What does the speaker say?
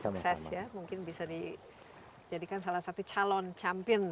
sukses ya mungkin bisa dijadikan salah satu calon champion